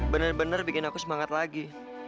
bener bener bikin aku semangat lagi